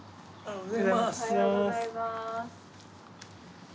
おはようございます。